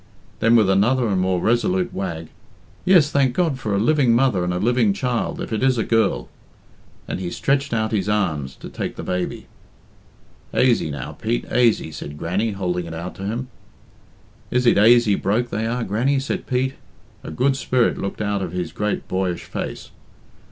Then, with another and more resolute wag, "Yes, thank God for a living mother and a living child, if it is a girl," and he stretched out his arms to take the baby. "Aisy, now, Pete aisy," said Grannie, holding it out to him. "Is it aisy broke they are, Grannie?" said Pete. A good spirit looked out of his great boyish face.